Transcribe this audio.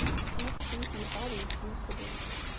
Mass Smith yeffeɣ ad yečč imekli.